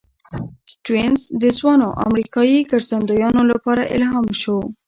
سټيونز د ځوانو امریکايي ګرځندویانو لپاره الهام شو.